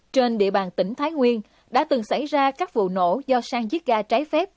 trên địa bàn tỉnh thái nguyên đã từng xảy ra các vụ nổ do sang chết ga trái phép